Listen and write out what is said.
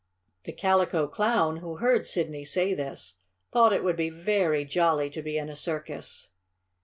The Calico Clown, who heard Sidney say this, thought it would be very jolly to be in a circus.